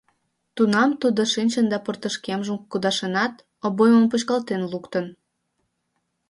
Тунам тудо шинчын да портышкемжым кудашынат, обоймым почкалтен луктын.